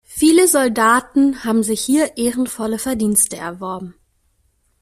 Viele Soldaten haben sich hier ehrenvolle Verdienste erworben.